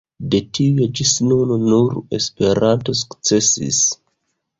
De tiuj ĝis nun nur Esperanto sukcesis.